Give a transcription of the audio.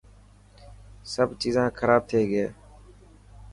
سڀ چيزان خراب ٿي گئي.